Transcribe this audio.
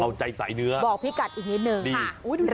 เอาใจสายเนื้อบอกพี่กัดอีกนิดนึง